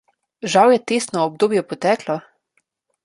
Žal je testno obdobje poteklo.